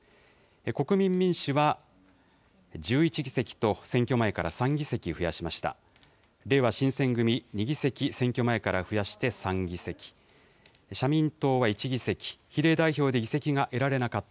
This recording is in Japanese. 国民民主は１１議席と、選挙前から３議席増やしました。